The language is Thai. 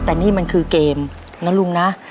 แต่นี่มันคือเกมนะลุงนะ